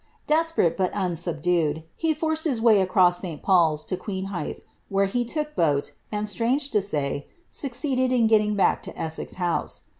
Desperate, but unsubdued, he forced his way across St Paul's to Queenhithe, where he took boat, and, strange to say, succeeded in get ting back to Essex House.